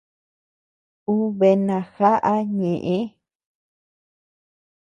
Ú bea najaʼa ñeʼë.